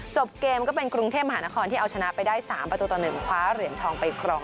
จบเกมก็เป็นกรุงเทพมหานครที่เอาชนะไปได้๓ประตูต่อ๑คว้าเหรียญทองไปครอง